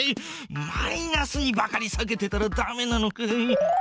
マイナスにばかりさけてたらダメなのか。